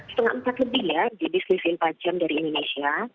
setengah metat lebih ya di bisnis empat jam dari indonesia